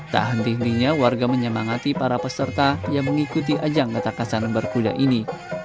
tak henti hentinya warga menyemangati para peserta yang mengikuti ajang kata kasan berkuda ini